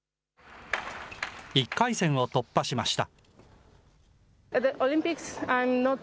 １回戦を突破しました。